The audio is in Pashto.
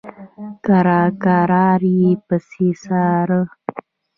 کرار کرار یې پسې څاره.